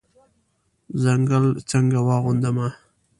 ځنګل څنګه واغوندمه